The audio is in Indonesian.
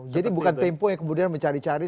jadi bukan tempo yang kemudian mencari cari